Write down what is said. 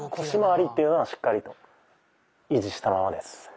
腰まわりっていうのはしっかりと維持したままです。